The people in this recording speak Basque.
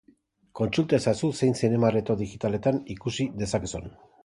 Kontsulta ezazu zein zinema-areto digitaletan ikusi dezakezun.